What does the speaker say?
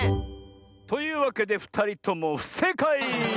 というわけでふたりともふせいかい！